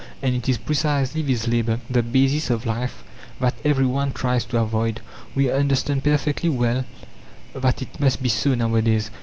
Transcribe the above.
And it is precisely this labour the basis of life that everyone tries to avoid. We understand perfectly well that it must be so nowadays.